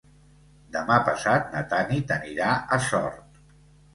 Demà passat na Tanit anirà a Sort.